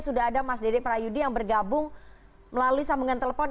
sudah ada mas dede prayudi yang bergabung melalui sambungan telepon